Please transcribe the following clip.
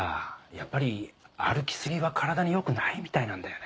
やっぱり歩き過ぎは体に良くないみたいなんだよね。